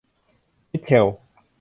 มิทเชล